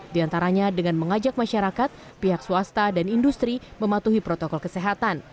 di antaranya dengan mengajak masyarakat pihak swasta dan industri mematuhi protokol kesehatan